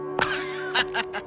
ハハハハハ。